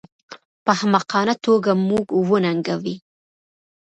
په احمقانه توګه موږ وننګوي